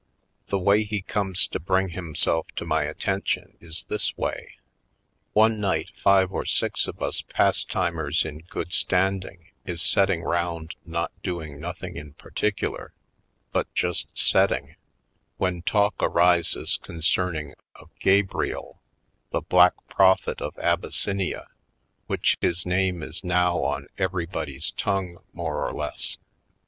The way he comes to bring himself to my attention is this way: One night five or six of us Pas timers in good standing is setting round not doing nothing in particular, but just setting, when talk arises concerning of Gabriel, the Black Prophet of Abyssinia, which his name is now on everybody's tongue, more or less.